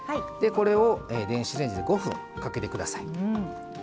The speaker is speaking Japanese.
これを電子レンジで５分かけて下さい。